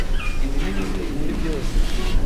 Ibi nibibi muri byose.